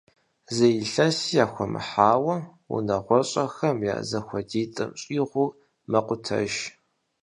Зы илъэси яхуэмыхьауэ, унагъуэщӀэхэм я зэхуэдитӀым щӀигъур мэкъутэж.